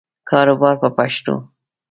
کاروبار په پښتو.